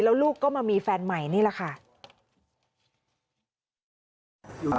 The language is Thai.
แล้วลูกก็มามีแฟนใหม่นี่แหละค่ะ